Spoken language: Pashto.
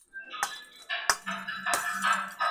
نړیوال عدالت د هر ډول تبعیض او بې انصافۍ مخه نیسي.